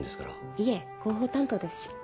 いえ広報担当ですし。